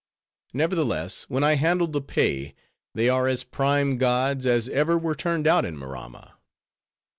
Nevertheless, when I handle the pay, they are as prime gods, as ever were turned out in Maramma."